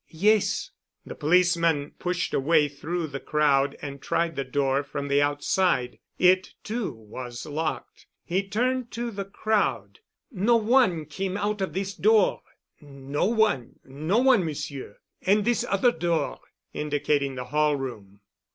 "Yes." The policeman pushed a way through the crowd and tried the door from the outside. It, too, was locked. He turned to the crowd. "No one came out of this door?" "No one, no one, Monsieur." "And this other door?" indicating the hall room.